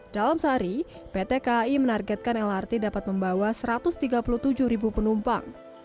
dalam sehari pt kai menargetkan lrt dapat membawa satu ratus tiga puluh tujuh ribu penumpang